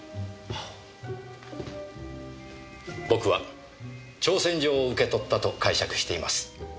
僕は挑戦状を受け取ったと解釈しています。